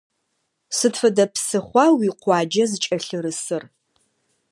Сыд фэдэ псыхъуа уикъуаджэ зыкӏэлъырысыр?